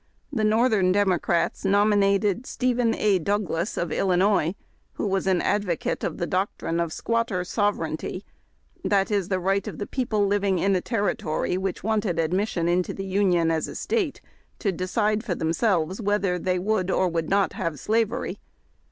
The northern Democrats nominated Stephen A. Douglas, of Illinois, who was an advocate of the doctrine of Squatter Sovereignty, that is, the right of the people living in a Terri torv which wanted admission into the Union as a State to ^ 15 16 HARD TACK AND COFFEE. decide for themselves whether they would or would not have slavery.